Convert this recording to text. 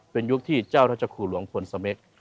เป็นยุคที่เจ้าท่าเจ้าคู่หลวงฝนเสม็ก